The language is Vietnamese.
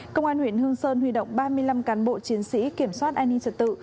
công an huyện hương sơn huy động ba mươi năm cán bộ chiến sĩ kiểm soát an ninh trật tự